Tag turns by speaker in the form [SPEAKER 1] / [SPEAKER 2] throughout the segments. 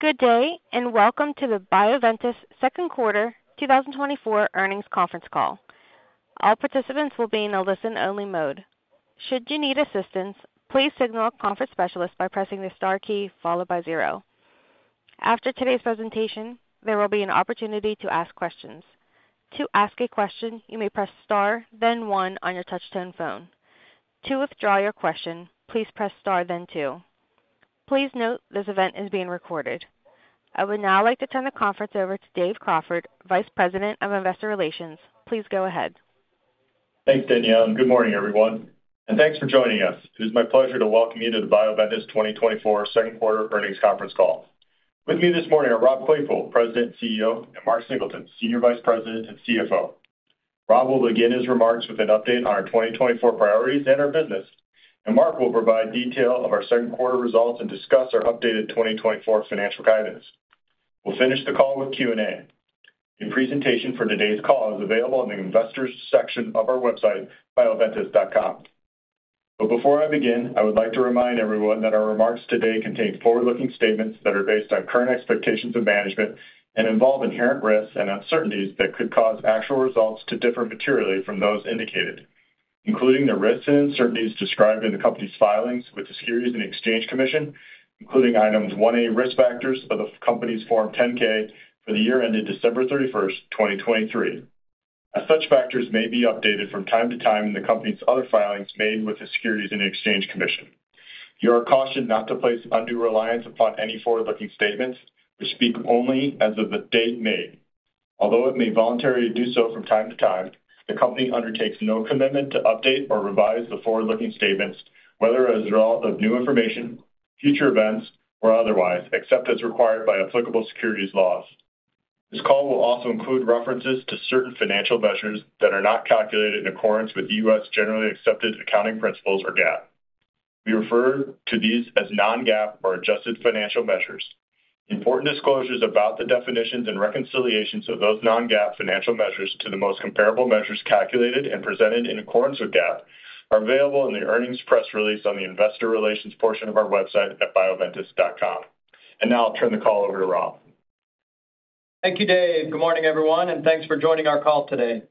[SPEAKER 1] Good day, and welcome to the Bioventus second quarter 2024 earnings conference call. All participants will be in a listen-only mode. Should you need assistance, please signal a conference specialist by pressing the star key followed by zero. After today's presentation, there will be an opportunity to ask questions. To ask a question, you may press Star, then One on your touchtone phone. To withdraw your question, please press star, then two. Please note, this event is being recorded. I would now like to turn the conference over to Dave Crawford, Vice President of Investor Relations. Please go ahead.
[SPEAKER 2] Thanks, Danielle, and good morning, everyone, and thanks for joining us. It is my pleasure to welcome you to the Bioventus 2024 second quarter earnings conference call. With me this morning are Rob Claypoole, President and CEO, and Mark Singleton, Senior Vice President and CFO. Rob will begin his remarks with an update on our 2024 priorities and our business, and Mark will provide detail of our second quarter results and discuss our updated 2024 financial guidance. We'll finish the call with Q&A. The presentation for today's call is available on the Investors section of our website, bioventus.com. Before I begin, I would like to remind everyone that our remarks today contain forward-looking statements that are based on current expectations of management and involve inherent risks and uncertainties that could cause actual results to differ materially from those indicated, including the risks and uncertainties described in the company's filings with the Securities and Exchange Commission, including Item 1A, Risk Factors of the company's Form 10-K for the year ended December 31, 2023. As such factors may be updated from time to time in the company's other filings made with the Securities and Exchange Commission. You are cautioned not to place undue reliance upon any forward-looking statements, which speak only as of the date made. Although it may voluntarily do so from time to time, the company undertakes no commitment to update or revise the forward-looking statements, whether as a result of new information, future events, or otherwise, except as required by applicable securities laws. This call will also include references to certain financial measures that are not calculated in accordance with U.S. generally accepted accounting principles, or GAAP. We refer to these as non-GAAP or adjusted financial measures. Important disclosures about the definitions and reconciliations of those non-GAAP financial measures to the most comparable measures calculated and presented in accordance with GAAP are available in the earnings press release on the investor relations portion of our website at Bioventus.com. And now I'll turn the call over to Rob.
[SPEAKER 3] Thank you, Dave. Good morning, everyone, and thanks for joining our call today.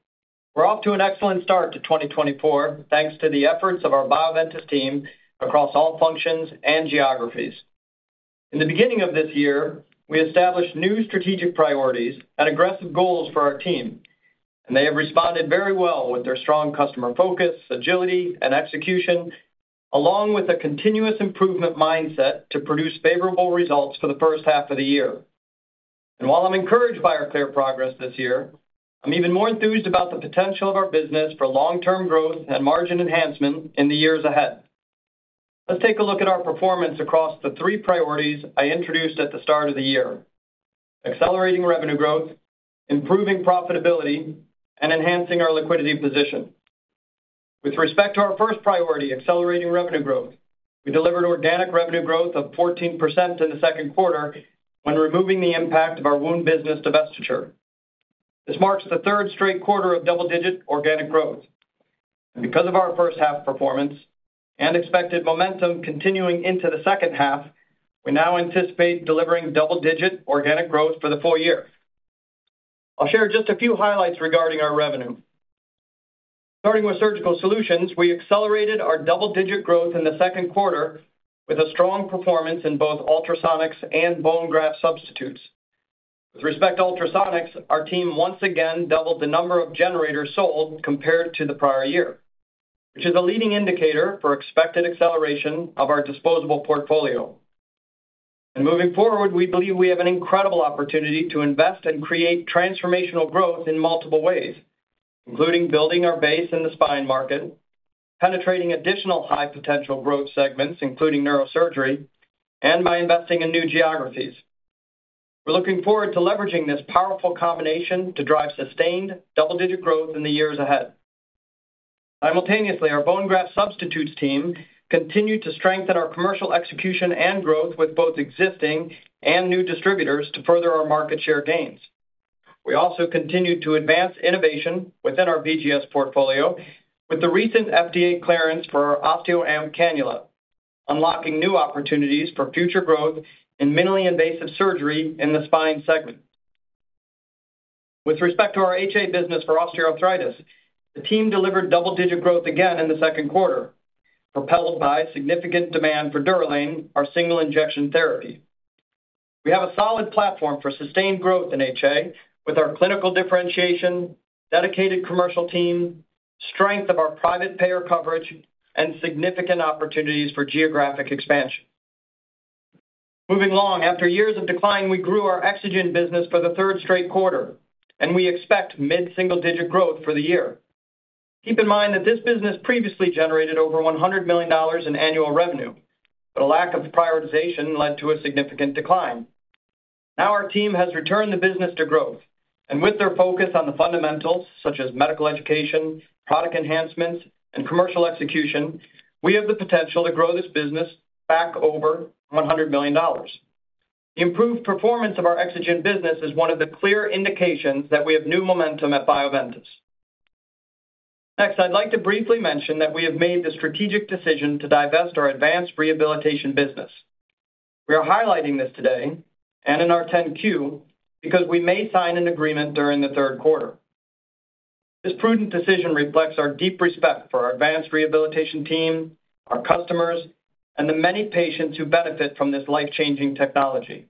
[SPEAKER 3] We're off to an excellent start to 2024, thanks to the efforts of our Bioventus team across all functions and geographies. In the beginning of this year, we established new strategic priorities and aggressive goals for our team, and they have responded very well with their strong customer focus, agility, and execution, along with a continuous improvement mindset to produce favorable results for the first half of the year. And while I'm encouraged by our clear progress this year, I'm even more enthused about the potential of our business for long-term growth and margin enhancement in the years ahead. Let's take a look at our performance across the three priorities I introduced at the start of the year: accelerating revenue growth, improving profitability, and enhancing our liquidity position. With respect to our first priority, accelerating revenue growth, we delivered organic revenue growth of 14% in the second quarter when removing the impact of our wound business divestiture. This marks the third straight quarter of double-digit organic growth. Because of our first half performance and expected momentum continuing into the second half, we now anticipate delivering double-digit organic growth for the full year. I'll share just a few highlights regarding our revenue. Starting with Surgical Solutions, we accelerated our double-digit growth in the second quarter with a strong performance in both Ultrasonics and Bone Graft Substitutes. With respect to Ultrasonics, our team once again doubled the number of generators sold compared to the prior year, which is a leading indicator for expected acceleration of our disposable portfolio. Moving forward, we believe we have an incredible opportunity to invest and create transformational growth in multiple ways, including building our base in the spine market, penetrating additional high-potential growth segments, including neurosurgery, and by investing in new geographies. We're looking forward to leveraging this powerful combination to drive sustained double-digit growth in the years ahead. Simultaneously, our bone graft substitutes team continued to strengthen our commercial execution and growth with both existing and new distributors to further our market share gains. We also continued to advance innovation within our BGS portfolio with the recent FDA clearance for our OsteoAMP cannula, unlocking new opportunities for future growth in minimally invasive surgery in the spine segment. With respect to our HA business for osteoarthritis, the team delivered double-digit growth again in the second quarter, propelled by significant demand for DUROLANE, our single injection therapy. We have a solid platform for sustained growth in HA with our clinical differentiation, dedicated commercial team, strength of our private payer coverage, and significant opportunities for geographic expansion. Moving along, after years of decline, we grew our EXOGEN business for the third straight quarter, and we expect mid-single-digit growth for the year. Keep in mind that this business previously generated over $100 million in annual revenue, but a lack of prioritization led to a significant decline. Now our team has returned the business to growth, and with their focus on the fundamentals, such as medical education, product enhancements, and commercial execution, we have the potential to grow this business back over $100 million. The improved performance of our EXOGEN business is one of the clear indications that we have new momentum at Bioventus. Next, I'd like to briefly mention that we have made the strategic decision to divest our advanced rehabilitation business. We are highlighting this today, and in our 10-Q, because we may sign an agreement during the third quarter. This prudent decision reflects our deep respect for our advanced rehabilitation team, our customers, and the many patients who benefit from this life-changing technology.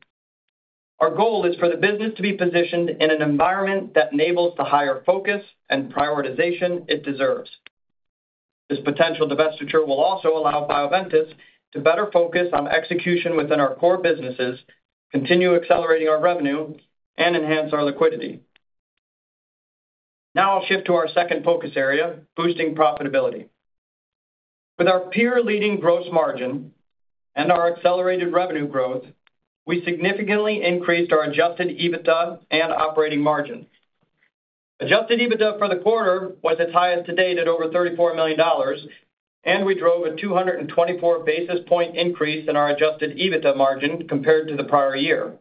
[SPEAKER 3] Our goal is for the business to be positioned in an environment that enables the higher focus and prioritization it deserves. This potential divestiture will also allow Bioventus to better focus on execution within our core businesses, continue accelerating our revenue, and enhance our liquidity. Now I'll shift to our second focus area, boosting profitability. With our peer-leading gross margin and our accelerated revenue growth, we significantly increased our Adjusted EBITDA and operating margin. Adjusted EBITDA for the quarter was its highest to date at over $34 million, and we drove a 224 basis point increase in our adjusted EBITDA margin compared to the prior year.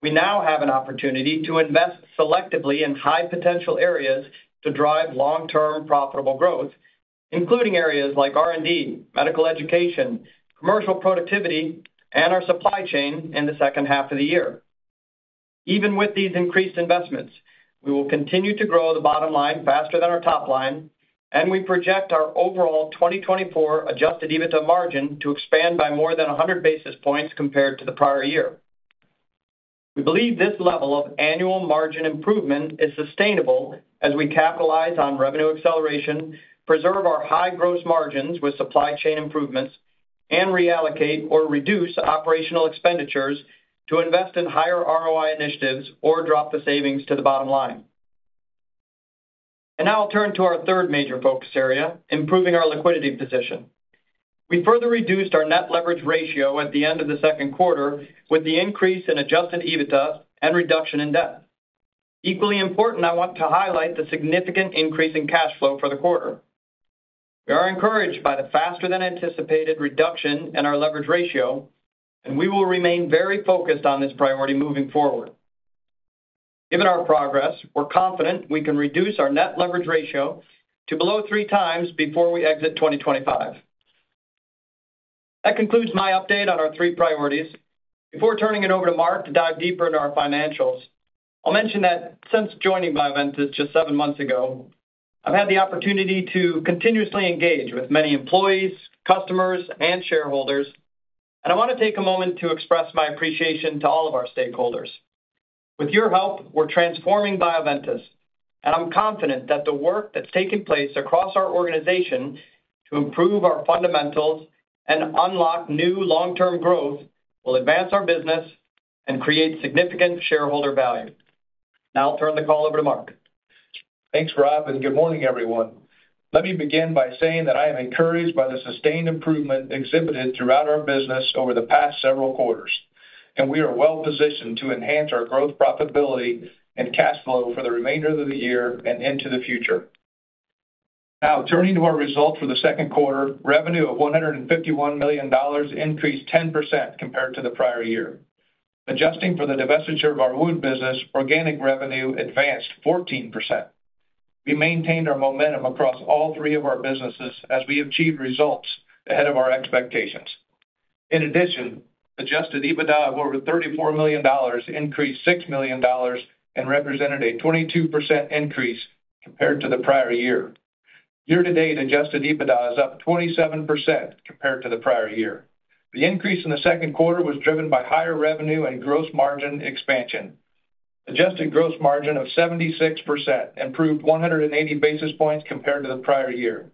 [SPEAKER 3] We now have an opportunity to invest selectively in high-potential areas to drive long-term profitable growth, including areas like R&D, medical education, commercial productivity, and our supply chain in the second half of the year. Even with these increased investments, we will continue to grow the bottom line faster than our top line, and we project our overall 2024 adjusted EBITDA margin to expand by more than 100 basis points compared to the prior year. We believe this level of annual margin improvement is sustainable as we capitalize on revenue acceleration, preserve our high gross margins with supply chain improvements, and reallocate or reduce operational expenditures to invest in higher ROI initiatives or drop the savings to the bottom line. Now I'll turn to our third major focus area, improving our liquidity position. We further reduced our net leverage ratio at the end of the second quarter with the increase in adjusted EBITDA and reduction in debt. Equally important, I want to highlight the significant increase in cash flow for the quarter. We are encouraged by the faster than anticipated reduction in our leverage ratio, and we will remain very focused on this priority moving forward. Given our progress, we're confident we can reduce our net leverage ratio to below 3x before we exit 2025. That concludes my update on our three priorities. Before turning it over to Mark to dive deeper into our financials, I'll mention that since joining Bioventus just seven months ago, I've had the opportunity to continuously engage with many employees, customers, and shareholders, and I want to take a moment to express my appreciation to all of our stakeholders. With your help, we're transforming Bioventus, and I'm confident that the work that's taking place across our organization to improve our fundamentals and unlock new long-term growth will advance our business and create significant shareholder value. Now I'll turn the call over to Mark.
[SPEAKER 4] Thanks, Rob, and good morning, everyone. Let me begin by saying that I am encouraged by the sustained improvement exhibited throughout our business over the past several quarters, and we are well-positioned to enhance our growth, profitability, and cash flow for the remainder of the year and into the future. Now, turning to our results for the second quarter, revenue of $151 million increased 10% compared to the prior year. Adjusting for the divestiture of our wound business, organic revenue advanced 14%. We maintained our momentum across all three of our businesses as we achieved results ahead of our expectations. In addition, adjusted EBITDA of over $34 million increased $6 million and represented a 22% increase compared to the prior year. Year-to-date, adjusted EBITDA is up 27% compared to the prior year. The increase in the second quarter was driven by higher revenue and gross margin expansion. Adjusted gross margin of 76% improved 180 basis points compared to the prior year.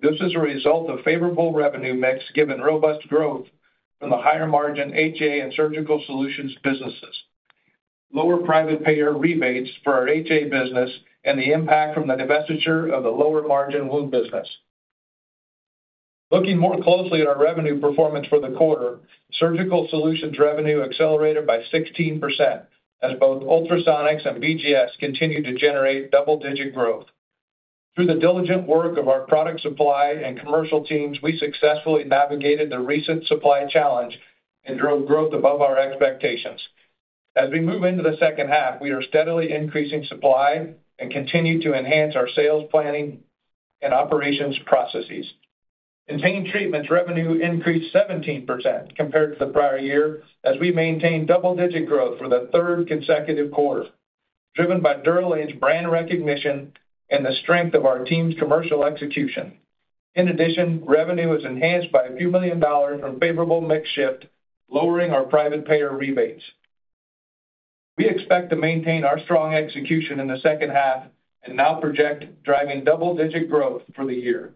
[SPEAKER 4] This is a result of favorable revenue mix, given robust growth from the higher margin HA and surgical solutions businesses, lower private payer rebates for our HA business, and the impact from the divestiture of the lower margin wound business. Looking more closely at our revenue performance for the quarter, surgical solutions revenue accelerated by 16% as both Ultrasonics and BGS continued to generate double-digit growth. Through the diligent work of our product supply and commercial teams, we successfully navigated the recent supply challenge and drove growth above our expectations. As we move into the second half, we are steadily increasing supply and continue to enhance our sales, planning, and operations processes. Pain Treatments revenue increased 17% compared to the prior year as we maintained double-digit growth for the third consecutive quarter, driven by DUROLANE's brand recognition and the strength of our team's commercial execution. In addition, revenue is enhanced by $a few million from favorable mix shift, lowering our private payer rebates. We expect to maintain our strong execution in the second half and now project driving double-digit growth for the year.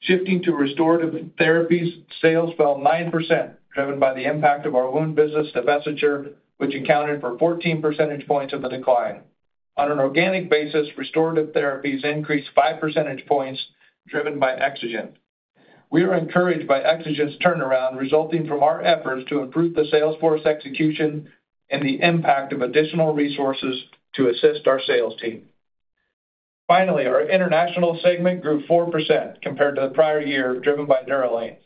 [SPEAKER 4] Shifting to Restorative Therapies, sales fell 9%, driven by the impact of our wound business divestiture, which accounted for 14 percentage points of the decline. On an organic basis, Restorative Therapies increased 5 percentage points, driven by EXOGEN. We are encouraged by EXOGEN's turnaround, resulting from our efforts to improve the sales force execution and the impact of additional resources to assist our sales team. Finally, our international segment grew 4% compared to the prior year, driven by DUROLANE.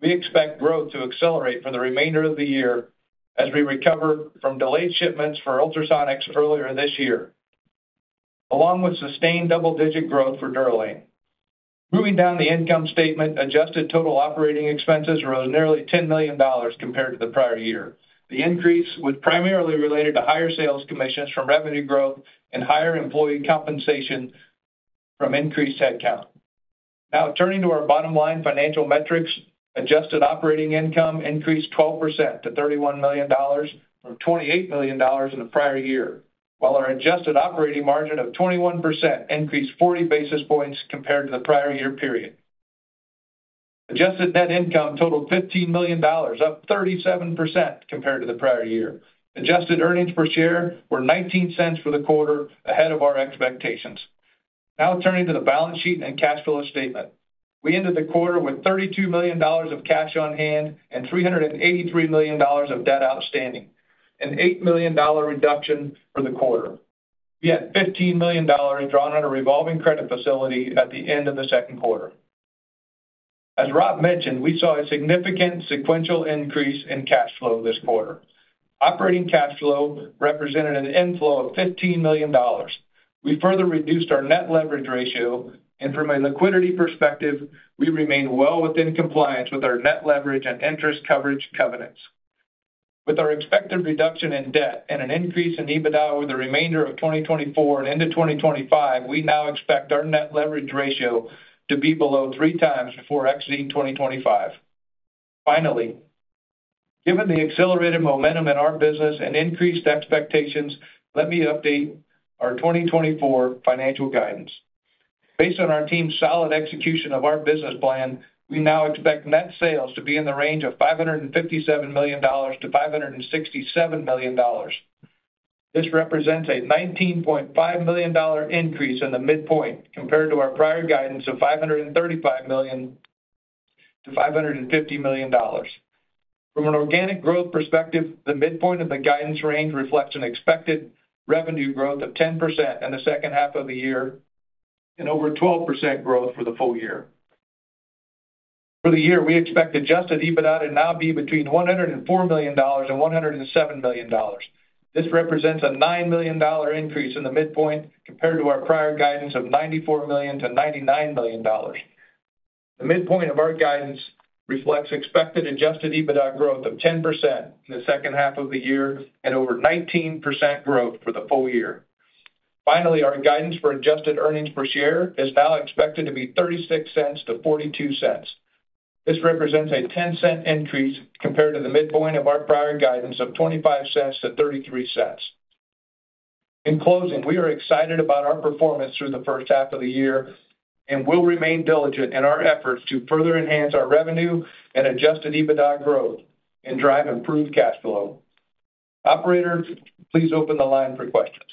[SPEAKER 4] We expect growth to accelerate for the remainder of the year... as we recover from delayed shipments for Ultrasonics earlier this year, along with sustained double-digit growth for DUROLANE. Moving down the income statement, adjusted total operating expenses rose nearly $10 million compared to the prior year. The increase was primarily related to higher sales commissions from revenue growth and higher employee compensation from increased headcount. Now turning to our bottom-line financial metrics, adjusted operating income increased 12%-$31 million from $28 million in the prior year, while our adjusted operating margin of 21% increased 40 basis points compared to the prior year period. Adjusted net income totaled $15 million, up 37% compared to the prior year. Adjusted earnings per share were $0.19 for the quarter, ahead of our expectations. Now turning to the balance sheet and cash flow statement. We ended the quarter with $32 million of cash on hand and $383 million of debt outstanding, an $8 million reduction for the quarter. We had $15 million drawn on a revolving credit facility at the end of the second quarter. As Rob mentioned, we saw a significant sequential increase in cash flow this quarter. Operating cash flow represented an inflow of $15 million. We further reduced our net leverage ratio, and from a liquidity perspective, we remain well within compliance with our net leverage and interest coverage covenants. With our expected reduction in debt and an increase in EBITDA over the remainder of 2024 and into 2025, we now expect our net leverage ratio to be below 3x before exiting 2025. Finally, given the accelerated momentum in our business and increased expectations, let me update our 2024 financial guidance. Based on our team's solid execution of our business plan, we now expect net sales to be in the range of $557 million-$567 million. This represents a $19.5 million increase in the midpoint compared to our prior guidance of $535 million-$550 million. From an organic growth perspective, the midpoint of the guidance range reflects an expected revenue growth of 10% in the second half of the year and over 12% growth for the full year. For the year, we expect Adjusted EBITDA to now be between $104 million and $107 million. This represents a $9 million dollar increase in the midpoint compared to our prior guidance of $94 million-$99 million. The midpoint of our guidance reflects expected Adjusted EBITDA growth of 10% in the second half of the year and over 19% growth for the full year. Finally, our guidance for adjusted earnings per share is now expected to be $0.36-$0.42. This represents a $0.10 cent increase compared to the midpoint of our prior guidance of $0.25-$0.33. In closing, we are excited about our performance through the first half of the year and will remain diligent in our efforts to further enhance our revenue and Adjusted EBITDA growth and drive improved cash flow. Operator, please open the line for questions.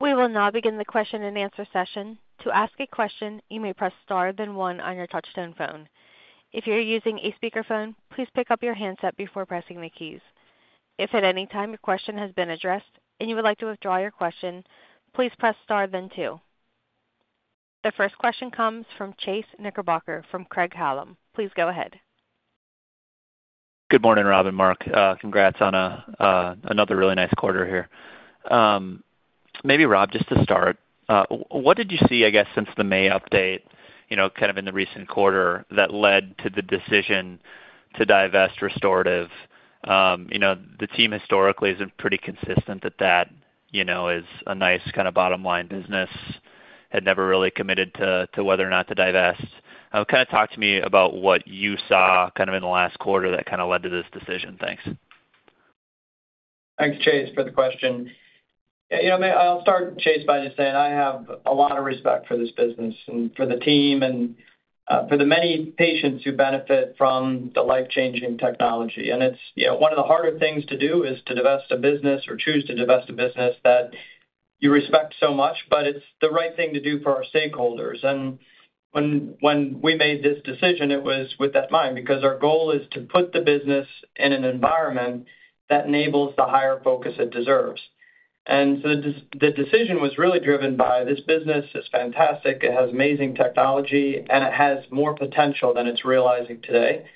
[SPEAKER 1] We will now begin the question-and-answer session. To ask a question, you may press star, then one on your touchtone phone. If you're using a speakerphone, please pick up your handset before pressing the keys. If at any time your question has been addressed and you would like to withdraw your question, please press star then two. The first question comes from Chase Knickerbocker from Craig-Hallum. Please go ahead.
[SPEAKER 5] Good morning, Rob and Mark. Congrats on another really nice quarter here. Maybe, Rob, just to start, what did you see, I guess, since the May update, you know, kind of in the recent quarter, that led to the decision to divest Restorative? You know, the team historically has been pretty consistent that that, you know, is a nice kind of bottom line business, had never really committed to, to whether or not to divest. Kind of talk to me about what you saw kind of in the last quarter that kind of led to this decision. Thanks.
[SPEAKER 3] Thanks, Chase, for the question. You know, I'll start, Chase, by just saying I have a lot of respect for this business and for the team and for the many patients who benefit from the life-changing technology. And it's, you know, one of the harder things to do is to divest a business or choose to divest a business that you respect so much, but it's the right thing to do for our stakeholders. And when we made this decision, it was with that in mind, because our goal is to put the business in an environment that enables the higher focus it deserves. And so the decision was really driven by this business is fantastic, it has amazing technology, and it has more potential than it's realizing today.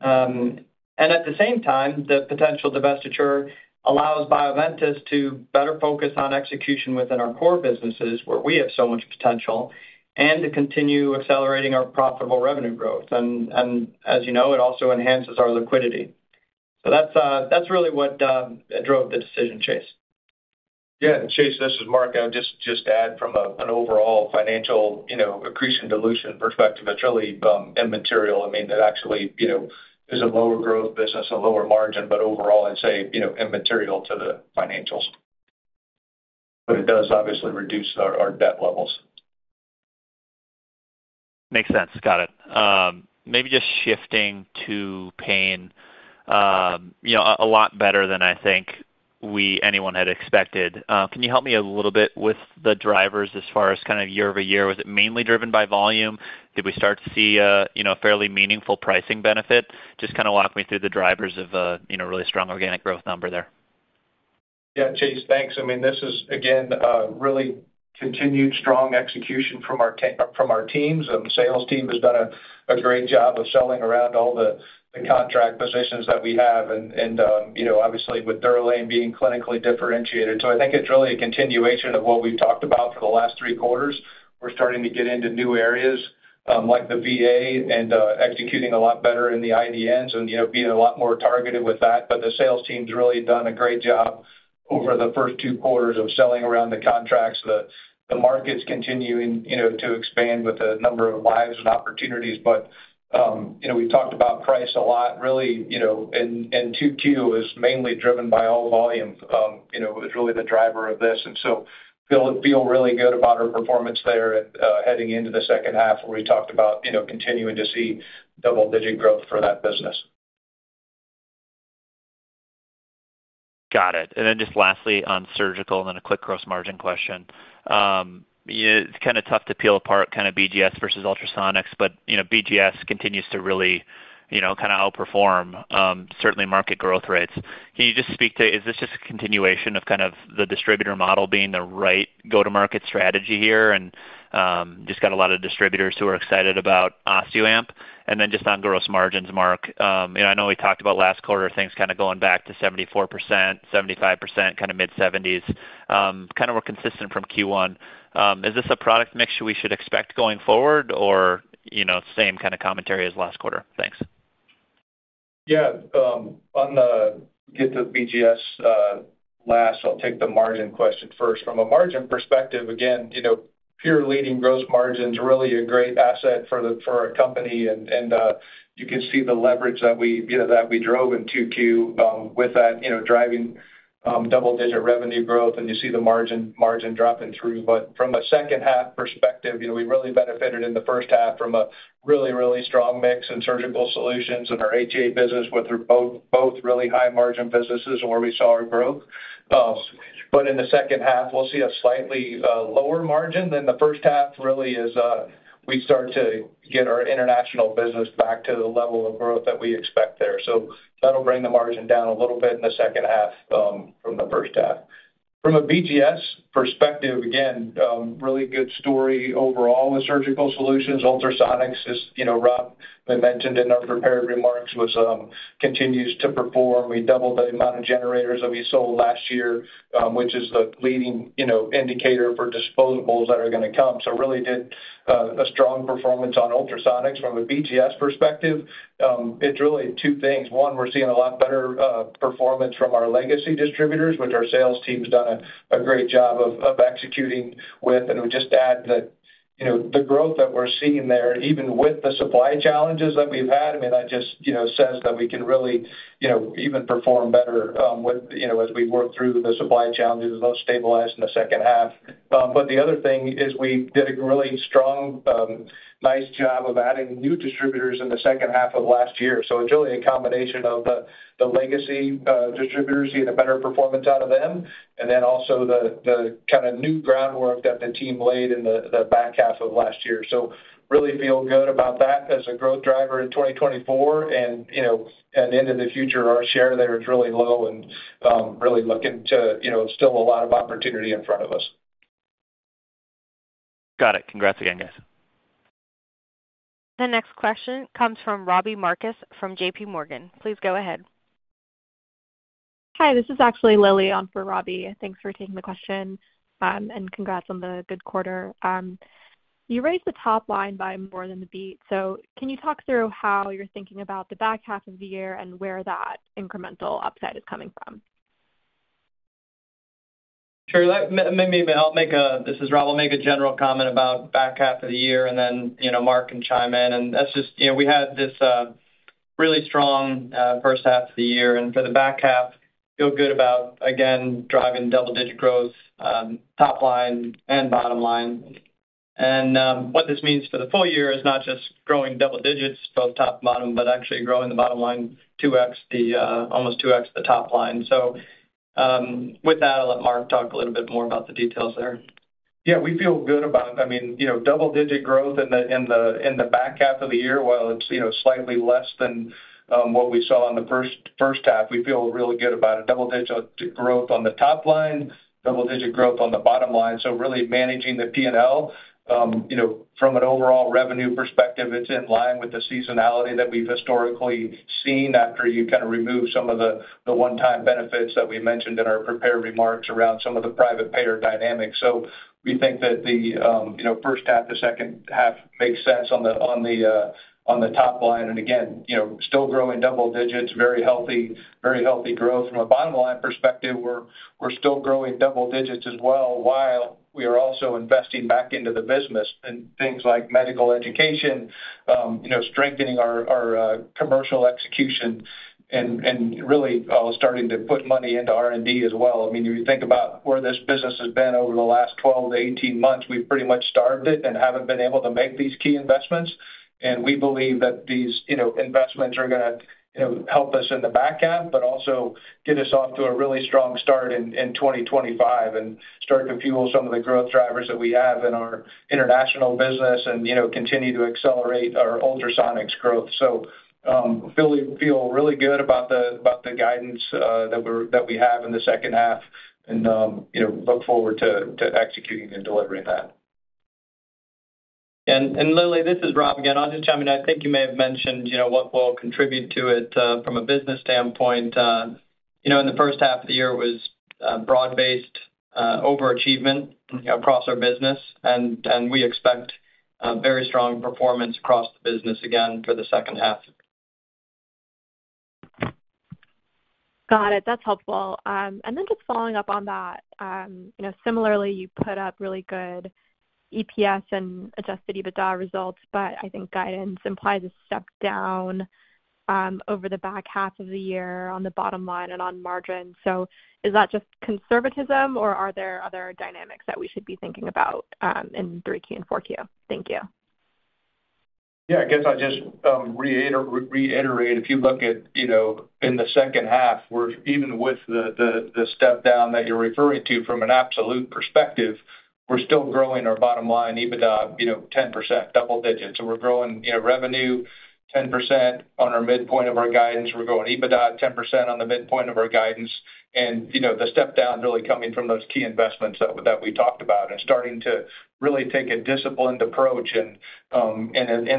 [SPEAKER 3] And at the same time, the potential divestiture allows Bioventus to better focus on execution within our core businesses, where we have so much potential, and to continue accelerating our profitable revenue growth. And as you know, it also enhances our liquidity. So that's, that's really what drove the decision, Chase.
[SPEAKER 4] Yeah, Chase, this is Mark. I would just add from an overall financial, you know, accretion dilution perspective, it's really immaterial. I mean, it actually, you know, is a lower growth business, a lower margin, but overall, I'd say, you know, immaterial to the financials. But it does obviously reduce our debt levels.
[SPEAKER 5] Makes sense. Got it. Maybe just shifting to pain, you know, a lot better than I think anyone had expected. Can you help me a little bit with the drivers as far as kind of year-over-year? Was it mainly driven by volume? Did we start to see a, you know, fairly meaningful pricing benefit? Just kind of walk me through the drivers of, you know, really strong organic growth number there....
[SPEAKER 4] Yeah, Chase, thanks. I mean, this is, again, a really continued strong execution from our teams. The sales team has done a great job of selling around all the contract positions that we have and, you know, obviously, with DUROLANE being clinically differentiated. So I think it's really a continuation of what we've talked about for the last three quarters. We're starting to get into new areas, like the VA and executing a lot better in the IDNs and, you know, being a lot more targeted with that. But the sales team's really done a great job over the first two quarters of selling around the contracts. The market's continuing, you know, to expand with the number of lives and opportunities. But, you know, we've talked about price a lot, really, you know, and 2Q is mainly driven by all volume. You know, is really the driver of this, and so feel really good about our performance there, heading into the second half, where we talked about, you know, continuing to see double-digit growth for that business.
[SPEAKER 5] Got it. And then just lastly, on surgical and then a quick gross margin question. You know, it's kind of tough to peel apart kind of BGS versus Ultrasonics, but, you know, BGS continues to really, you know, kind of outperform, certainly market growth rates. Can you just speak to, is this just a continuation of kind of the distributor model being the right go-to-market strategy here, and, just got a lot of distributors who are excited about OsteoAMP? And then just on gross margins, Mark, you know, I know we talked about last quarter, things kind of going back to 74%, 75%, kind of mid-70s, kind of were consistent from Q1. Is this a product mixture we should expect going forward, or, you know, same kind of commentary as last quarter? Thanks.
[SPEAKER 4] Yeah, on the, get to BGS, last, I'll take the margin question first. From a margin perspective, again, you know, pure leading gross margin's really a great asset for the, for our company, and, and, you can see the leverage that we, you know, that we drove in 2Q, with that, you know, driving, double digit revenue growth, and you see the margin, margin dropping through. But from a second half perspective, you know, we really benefited in the first half from a really, really strong mix in Surgical Solutions and our HA business, which are both, both really high margin businesses where we saw our growth. But in the second half, we'll see a slightly, lower margin than the first half, really is, we start to get our international business back to the level of growth that we expect there. So that'll bring the margin down a little bit in the second half, from the first half. From a BGS perspective, again, really good story overall with Surgical Solutions. Ultrasonics is, you know, Rob, I mentioned in our prepared remarks, was, continues to perform. We doubled the amount of generators that we sold last year, which is the leading, you know, indicator for disposables that are going to come. So really did, a strong performance on Ultrasonics. From a BGS perspective, it's really two things: One, we're seeing a lot better, performance from our legacy distributors, which our sales team's done a great job of executing with. I would just add that, you know, the growth that we're seeing there, even with the supply challenges that we've had, I mean, that just, you know, says that we can really, you know, even perform better, with, you know, as we work through the supply challenges, those stabilize in the second half. But the other thing is we did a really strong, nice job of adding new distributors in the second half of last year. So it's really a combination of the legacy distributors, seeing a better performance out of them, and then also the kind of new groundwork that the team laid in the back half of last year. So really feel good about that as a growth driver in 2024, and, you know, and into the future, our share there is really low and, really looking to, you know, still a lot of opportunity in front of us.
[SPEAKER 5] Got it. Congrats again, guys.
[SPEAKER 1] The next question comes from Robbie Marcus from JPMorgan. Please go ahead.
[SPEAKER 6] Hi, this is actually Lily on for Robbie. Thanks for taking the question, and congrats on the good quarter. You raised the top line by more than the beat, so can you talk through how you're thinking about the back half of the year and where that incremental upside is coming from?
[SPEAKER 3] Sure. This is Rob. I'll make a general comment about back half of the year, and then, you know, Mark can chime in. That's just, you know, we had this really strong first half of the year. For the back half, feel good about, again, driving double digit growth, top line and bottom line. What this means for the full year is not just growing double digits, both top and bottom, but actually growing the bottom line 2x the, almost 2x the top line. So, with that, I'll let Mark talk a little bit more about the details there.
[SPEAKER 4] Yeah, we feel good about it. I mean, you know, double-digit growth in the back half of the year, while it's, you know, slightly less than what we saw in the first half, we feel really good about a double-digit growth on the top line, double-digit growth on the bottom line. So really managing the P&L, you know, from an overall revenue perspective, it's in line with the seasonality that we've historically seen after you kind of remove some of the one-time benefits that we mentioned in our prepared remarks around some of the private payer dynamics. So we think that the, you know, first half to second half makes sense on the top line, and again, you know, still growing double digits, very healthy, very healthy growth. From a bottom line perspective, we're still growing double digits as well, while we are also investing back into the business in things like medical education, you know, strengthening our commercial execution and really starting to put money into R&D as well. I mean, you think about where this business has been over the last 12-18 months, we've pretty much starved it and haven't been able to make these key investments, and we believe that these, you know, investments are going to, you know, help us in the back half, but also get us off to a really strong start in 2025 and start to fuel some of the growth drivers that we have in our international business and continue to accelerate our Ultrasonics growth. So, feel really good about the guidance that we have in the second half and, you know, look forward to executing and delivering that. ...
[SPEAKER 3] And Lily, this is Rob again. I'll just chime in. I think you may have mentioned, you know, what will contribute to it from a business standpoint. You know, in the first half of the year, it was broad-based overachievement across our business, and we expect very strong performance across the business again for the second half.
[SPEAKER 6] Got it. That's helpful. And then just following up on that, you know, similarly, you put up really good EPS and Adjusted EBITDA results, but I think guidance implies a step down, over the back half of the year on the bottom line and on margin. So is that just conservatism, or are there other dynamics that we should be thinking about, in 3Q and 4Q? Thank you.
[SPEAKER 4] Yeah, I guess I'll just reiterate. If you look at, you know, in the second half, we're even with the step down that you're referring to from an absolute perspective, we're still growing our bottom line, EBITDA, you know, 10%, double digits. So we're growing, you know, revenue 10% on our midpoint of our guidance. We're growing EBITDA 10% on the midpoint of our guidance. And, you know, the step down really coming from those key investments that we talked about and starting to really take a disciplined approach in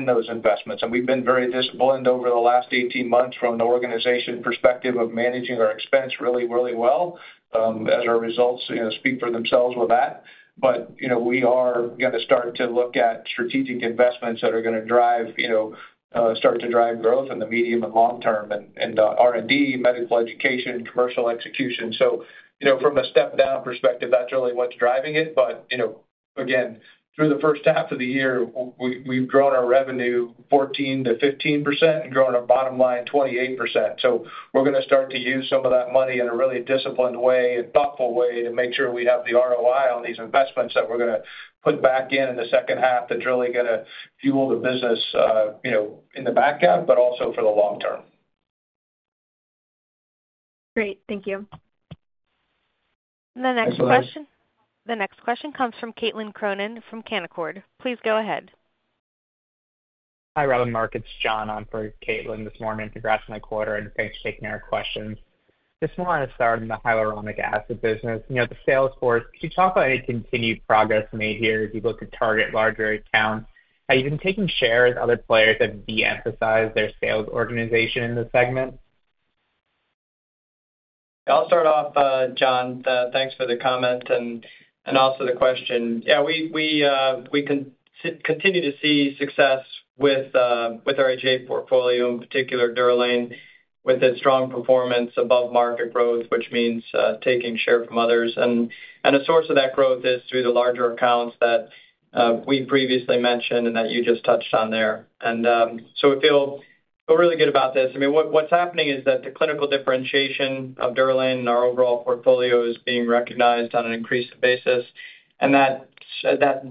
[SPEAKER 4] those investments. And we've been very disciplined over the last 18 months from an organization perspective of managing our expense really, really well, as our results, you know, speak for themselves with that. But, you know, we are gonna start to look at strategic investments that are gonna drive, you know, start to drive growth in the medium and long term, and, and, R&D, medical education, commercial execution. So, you know, from a step-down perspective, that's really what's driving it. But, you know, again, through the first half of the year, we, we've grown our revenue 14%-15% and grown our bottom line 28%. So we're gonna start to use some of that money in a really disciplined way and thoughtful way to make sure we have the ROI on these investments that we're gonna put back in, in the second half, that's really gonna fuel the business, you know, in the back half, but also for the long term.
[SPEAKER 6] Great. Thank you.
[SPEAKER 4] Thanks, Lily.
[SPEAKER 1] The next question, the next question comes from Caitlin Cronin from Canaccord. Please go ahead.
[SPEAKER 7] Hi, Rob and Mark, it's John on for Caitlin this morning. Congrats on the quarter, and thanks for taking our questions. Just want to start in the hyaluronic acid business. You know, the sales force, can you talk about any continued progress made here as you look to target larger accounts? Have you been taking share with other players that de-emphasize their sales organization in this segment?
[SPEAKER 3] I'll start off, John. Thanks for the comment and also the question. Yeah, we continue to see success with our HA portfolio, in particular DUROLANE, with its strong performance above market growth, which means taking share from others. And a source of that growth is through the larger accounts that we previously mentioned and that you just touched on there. So we feel really good about this. I mean, what's happening is that the clinical differentiation of DUROLANE and our overall portfolio is being recognized on an increased basis, and that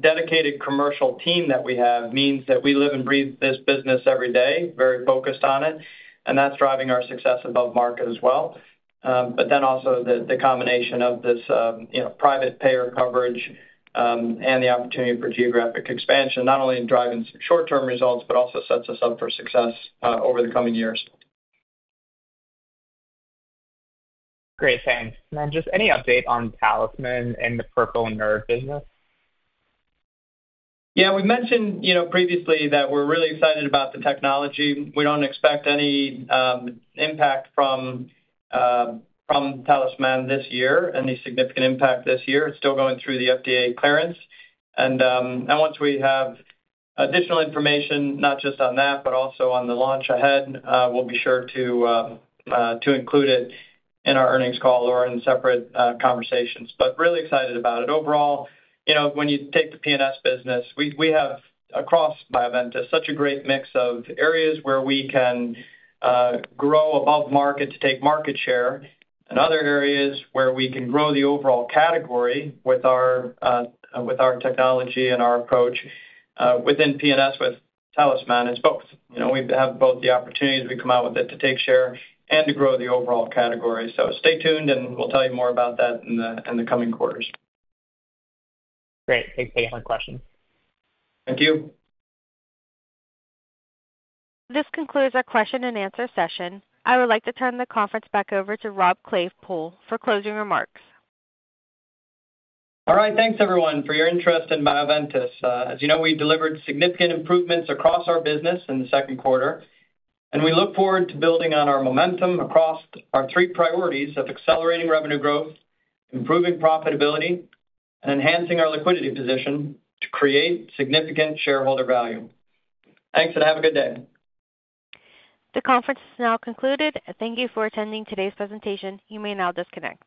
[SPEAKER 3] dedicated commercial team that we have means that we live and breathe this business every day, very focused on it, and that's driving our success above market as well. But then also the combination of this, you know, private payer coverage, and the opportunity for geographic expansion, not only in driving short-term results, but also sets us up for success over the coming years.
[SPEAKER 7] Great, thanks. And then just any update on Talisman and the peripheral nerve business?
[SPEAKER 3] Yeah, we mentioned, you know, previously that we're really excited about the technology. We don't expect any impact from Talisman this year, any significant impact this year. It's still going through the FDA clearance. And once we have additional information, not just on that, but also on the launch ahead, we'll be sure to include it in our earnings call or in separate conversations, but really excited about it. Overall, you know, when you take the PNS business, we have across Bioventus such a great mix of areas where we can grow above market to take market share and other areas where we can grow the overall category with our technology and our approach within PNS with Talisman is both. You know, we have both the opportunities as we come out with it, to take share and to grow the overall category. So stay tuned, and we'll tell you more about that in the coming quarters.
[SPEAKER 7] Great. Thanks, for taking my question.
[SPEAKER 3] Thank you.
[SPEAKER 1] This concludes our question and answer session. I would like to turn the conference back over to Rob Claypoole for closing remarks.
[SPEAKER 3] All right. Thanks, everyone, for your interest in Bioventus. As you know, we delivered significant improvements across our business in the second quarter, and we look forward to building on our momentum across our three priorities of accelerating revenue growth, improving profitability, and enhancing our liquidity position to create significant shareholder value. Thanks, and have a good day.
[SPEAKER 1] The conference is now concluded, and thank you for attending today's presentation. You may now disconnect.